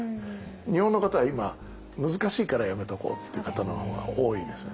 日本の方は今難しいからやめておこうっていう方のほうが多いです。